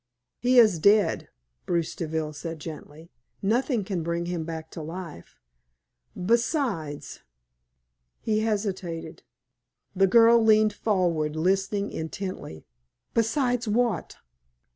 "He is dead," Bruce Deville said, gently. "Nothing can bring him back to life. Besides " He hesitated. The girl leaned forward, listening intently. "Besides what?"